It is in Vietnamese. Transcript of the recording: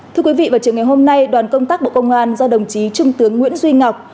thưa quý vị vào trường ngày hôm nay đoàn công tác bộ công an do đồng chí trung tướng nguyễn duy ngọc